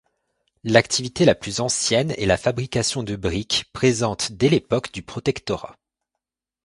L'activité la plus ancienne est la fabrication de briques présente dès l'époque du protectorat.